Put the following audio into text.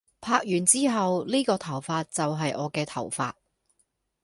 拍完之後，呢個頭髮就係我嘅頭髮